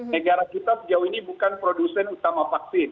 negara kita sejauh ini bukan produsen utama vaksin